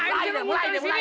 ini udah ngutang di sini